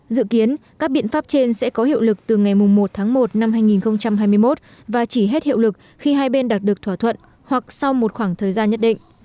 dự kiến các biện pháp trên sẽ có hiệu lực từ ngày một tháng một năm hai nghìn hai mươi một và chỉ hết hiệu lực khi hai bên đạt được thỏa thuận hoặc sau một khoảng thời gian nhất định